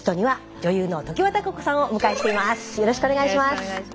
はい。